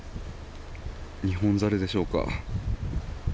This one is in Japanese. ニホンザルでしょうか。